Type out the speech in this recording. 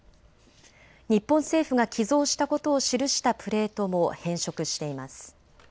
日本政府が寄贈したことを記したプレートも変色しています。